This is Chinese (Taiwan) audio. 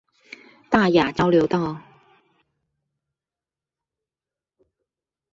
大雅交流道